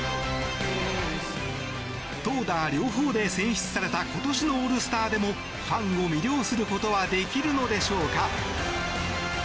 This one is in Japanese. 投打両方で選出された今年のオールスターでもファンを魅了することはできるのでしょうか。